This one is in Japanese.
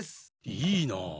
いいなあ！